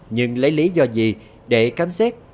nhưng lấy lý do gì để khám xét